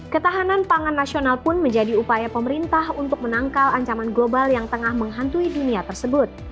ketahanan pangan nasional pun menjadi upaya pemerintah untuk menangkal ancaman global yang tengah menghantui dunia tersebut